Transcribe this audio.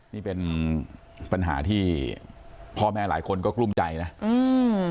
นี่เป็นปัญหาที่พ่อแม่หลายคนก็กลุ้มใจนะอืม